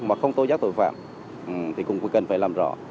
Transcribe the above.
mà không tố giác tội phạm thì cũng cần phải làm rõ